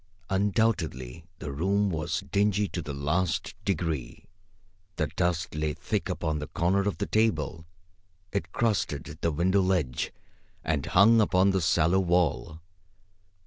Undoubtedly the room was dingy to the last degree. The dust lay thick upon the corner of the table. It crusted the window ledge and hung upon the sallow wall.